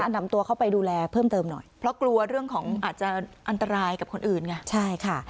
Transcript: นำตัวเข้าไปดูแลเพิ่มเติมหน่อยเพราะกลัวเรื่องของอาจจะอันตรายกับคนอื่นไงใช่ค่ะ